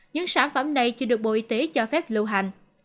những sản phẩm này chưa được bộ y tế cho phép lưu hành